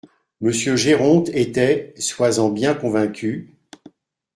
Monsieur Géronte était, sois-en bien convaincu…